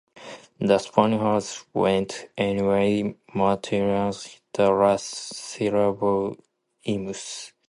The Spaniards went away muttering the last syllable "imus".